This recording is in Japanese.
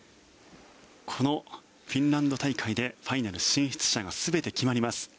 このフィンランド大会でファイナル進出者が全て決まります。